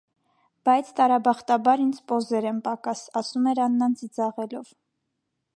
- Բայց տարաբախտաբար, ինձ պոզեր են պակաս,- ասում էր Աննան ծիծաղելով: